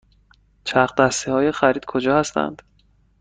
چرخ دستی های خرید کجا هستند؟